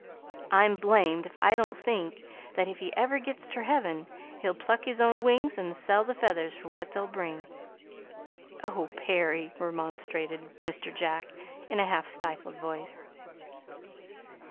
I'm blamed if I don't think that if he ever gits ter heaven, he'll pluck his own wings an' sell the feathers fur what they'll bring." "Oh, Perry!" remonstrated Mr. Jack, in a half stifled voice.